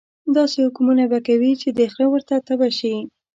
داسې حکمونه به کوي چې د خره ورته تبه شي.